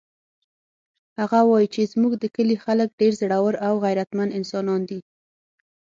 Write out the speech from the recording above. هغه وایي چې زموږ د کلي خلک ډېر زړور او غیرتمن انسانان دي